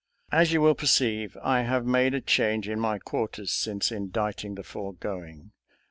As you will perceive, I have made a change in my quarters since inditing the foregoing.